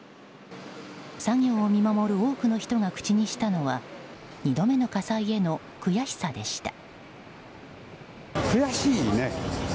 作業を見守る多くの人が口にしたのは２度目の火災への悔しさでした。